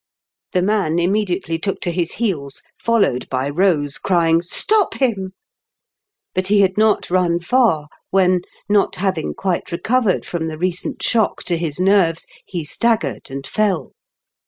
The man immediately took to his heels, followed by Rose, crying, *' Stop him !" But he had not run far when, not having quite recovered from the recent shock to his nerves, he staggered and fell.